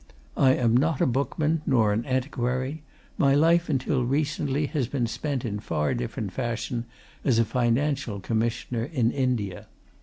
I am not a bookman, nor an antiquary; my life until recently has been spent in far different fashion, as a Financial Commissioner in India.